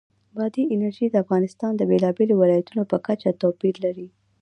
بادي انرژي د افغانستان د بېلابېلو ولایاتو په کچه توپیر لري.